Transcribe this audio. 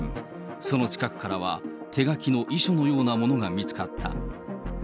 その近くからは、手書きの遺書のようなものが見つかった。